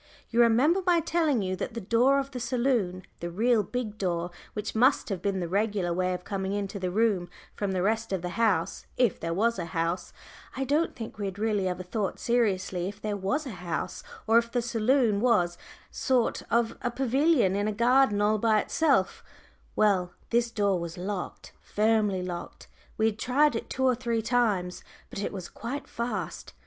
You remember my telling you that the other door of the saloon, the real big door, which must have been the regular way of coming into the room from the rest of the house if there was a house I don't think we had really ever thought seriously if there was a house, or if the saloon was a sort of pavilion in a garden all by itself well, this door was locked, firmly locked; we had tried it two or three times, but it was quite fast.